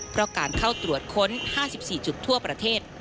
เพราะการเข้าตรวจค้น๕๔จุดทั่วประเทศ